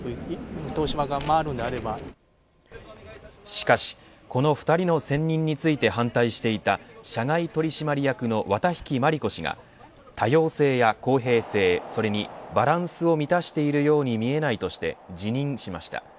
しかしこの２人の選任について反対していた社外取締役の綿引万里子氏が多様性や公平性それにバランスを満たしているように見えないとして辞任しました。